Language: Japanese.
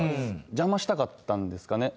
邪魔したかったんですかね。